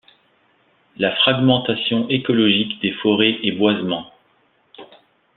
La fragmentation écologique des forêts et boisements.